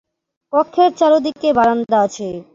কক্ষের চারদিকে বারান্দা আছে।